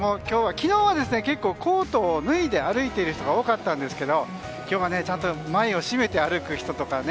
昨日は、結構コートを脱いで歩いている人が多かったんですが今日はちゃんと前を閉めて歩く人とか。